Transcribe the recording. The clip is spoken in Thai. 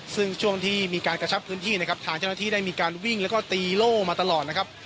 ซึ่งช่วงที่มีการกระชับพื้นที่นะครับทางเจ้าหน้าที่ได้มีการวิ่งแล้วก็ตีโล่มาตลอดนะครับ